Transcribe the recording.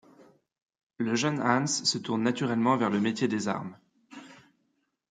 Le jeune Hans se tourne naturellement vers le métier des armes.